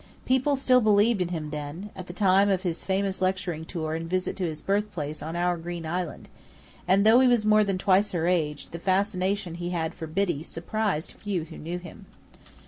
People still believed in him then, at the time of his famous lecturing tour and visit to his birthplace on our green island; and though he was more than twice her age, the fascination he had for Biddy surprised few who knew him.